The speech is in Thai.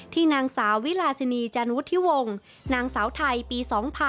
ที่นางสาววิลาซินีจานวุฒิทธิวงร์นางสาวไทยปี๒๕๕๘